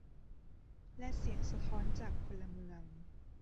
และเสียงสะท้อนจากพลเมือง